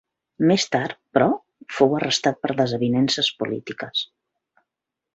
Més tard, però, fou arrestat per desavinences polítiques.